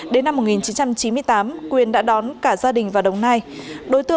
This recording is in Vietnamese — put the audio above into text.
đến năm một nghìn chín trăm chín mươi tám quyền đã đón cả gia đình vào đồng nai